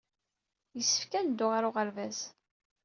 Yessefk ad neddu ɣer uɣerbaz.